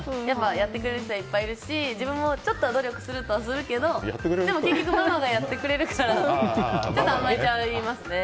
やってくれる人もいっぱいいるし自分もちょっとは努力しようとするけどでも結局ママがやってくれるからちょっと甘えちゃいますね。